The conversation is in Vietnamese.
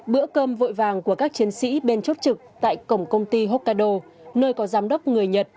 bữa cơm vội vàng của các chiến sĩ bên chốt trực tại cổng công ty hokkado nơi có giám đốc người nhật